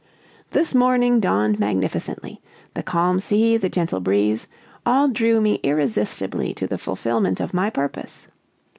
"This morning dawned magnificently; the calm sea, the gentle breeze, all drew me irresistibly to the fulfillment of my purpose.